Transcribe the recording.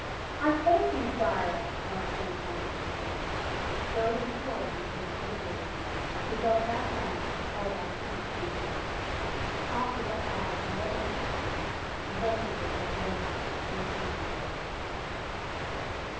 "I thank you, Sire!" Malprimes answers him; Going before, he takes delivery; 'Tis of that land, was held by king Flurit. After that hour he never looked on it, Investiture gat never, nor seizin.